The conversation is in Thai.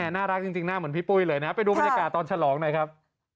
น่ารักจริงหน้าเหมือนพี่ปุ้ยเลยนะไปดูบรรยากาศตอนฉลองหน่อยครับ